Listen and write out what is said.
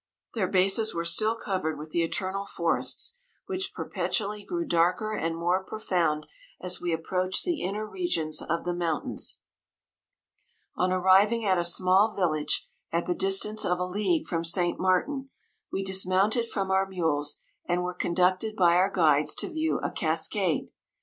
Their bases were still covered with the eternal forests, which perpetually grew darker and more pro found as we approached the inner re gions of the mountains. On arriving at a small village, at the distance of a league from St. Martin, we dismounted from our mules, and were conducted by our guides to view a cascade.